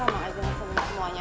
sama aja sama semuanya